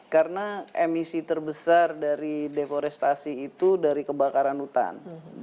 karena emisi terbesar dari deforestasi itu dari kebakaran hutan